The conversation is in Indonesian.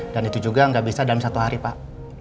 dan itu juga nggak bisa dalam satu hari pak